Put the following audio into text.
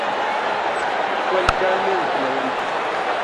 Fue alcalde de Filadelfia.